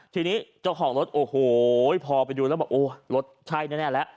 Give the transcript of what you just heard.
ทีนี้เจ้าของรถโอ้โหพอไปดูแล้วบอกโอ้รถใช่แน่แล้ว